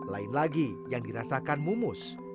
lain lagi yang dirasakan mumus